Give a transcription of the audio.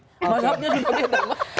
mazhabnya sudah beda